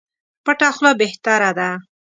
پټه خوله بهتره ده.